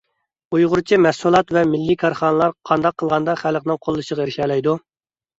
ئۇيغۇرچە مەھسۇلات ۋە مىللىي كارخانىلار قانداق قىلغاندا خەلقنىڭ قوللىشىغا ئېرىشەلەيدۇ؟